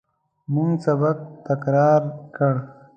موږ سبق تکرار کړ.